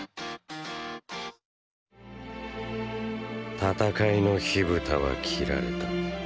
戦いの火蓋は切られた。